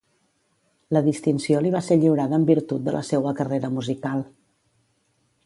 La distinció li va ser lliurada en virtut de la seua carrera musical.